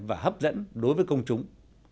và hấp dẫn đối với công chúng